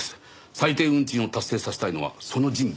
最低運賃を達成させたいのはその人物のみ。